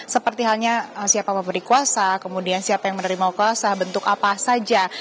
seperti halnya siapa pemberi kuasa kemudian siapa yang menerima kuasa bentuk apa saja